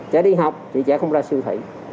trẻ đi học thì trẻ không ra siêu thị